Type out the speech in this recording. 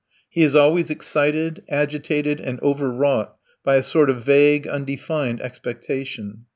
He is always excited, agitated, and overwrought by a sort of vague, undefined expectation.